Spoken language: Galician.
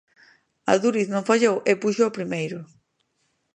Adúriz non fallou e puxo o primeiro.